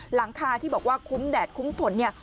หลังคาที่บอกว่าคุ้มแดดคุ้มฝนเนี่ย